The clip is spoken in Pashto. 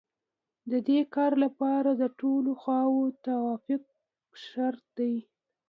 د دې کار لپاره د ټولو خواوو توافق شرط دی